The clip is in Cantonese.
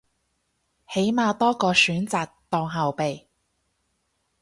起碼多個選擇當後備